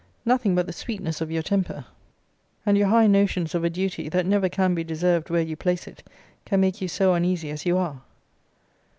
Nothing but the sweetness of your temper, and your high notions of a duty that never can be deserved where you place it, can make you so uneasy as you are.